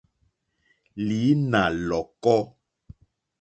Lǐnà lɔ̀kɔ́.